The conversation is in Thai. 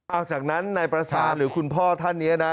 เอาจากนั้นนายประสานหรือคุณพ่อท่านนี้นะ